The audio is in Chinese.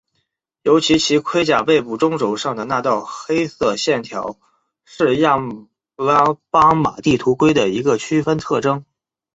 尤其其盔甲背部中轴上的那道黑色线条是亚拉巴马地图龟的一个区分特征。